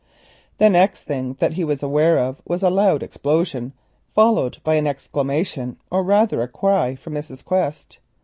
The next thing he was aware of was a loud explosion, followed by an exclamation or rather a cry from Mrs. Quest.